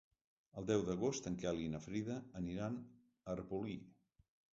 El deu d'agost en Quel i na Frida aniran a Arbolí.